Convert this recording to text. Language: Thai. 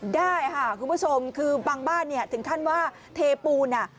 ได้ค่ะคุณผู้ชมคือบางบ้านเนี่ยถึงขั้นว่าเทปูน